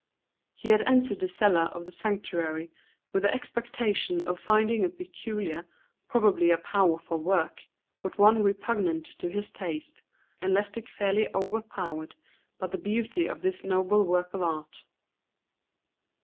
He had entered the cella of the sanctuary with the expectation of finding a peculiar, probably a powerful work, but one repugnant to his taste, and left it fairly overpowered by the beauty of this noble work of art.